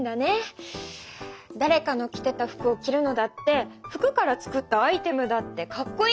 だれかの着てた服を着るのだって服から作ったアイテムだってかっこいいよ。